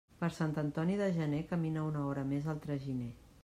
Per Sant Antoni de gener camina una hora més el traginer.